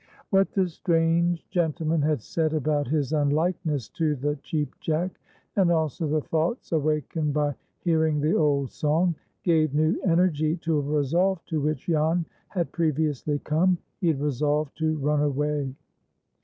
What the strange gentleman had said about his unlikeness to the Cheap Jack, and also the thoughts awakened by hearing the old song, gave new energy to a resolve to which Jan had previously come. He had resolved to run away.